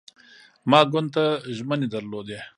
ما ګوند ته ژمنې درلودې.